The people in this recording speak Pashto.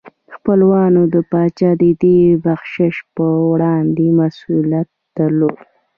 خپلوانو د پاچا د دې بخشش په وړاندې مسؤلیت درلود.